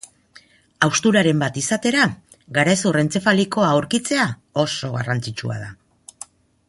Hausturaren bat izatera, garezur-entzefalikoa aurkitzea oso garrantzitsua da.